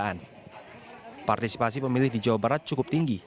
kepada pemilihan partisipasi pemilih di jawa barat cukup tinggi